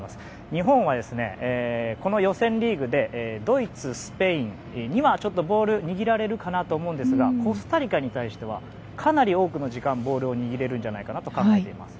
日本はこの予選リーグでドイツ、スペインにはボール握られると思うんですがコスタリカに対してはかなり多くの時間ボールを握れるんじゃないかと考えています。